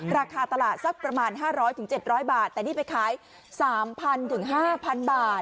ราคาตลาดสักประมาณ๕๐๐๗๐๐บาทแต่นี่ไปขาย๓๐๐ถึง๕๐๐บาท